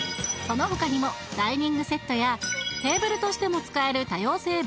その他にもダイニングセットやテーブルとしても使える多様性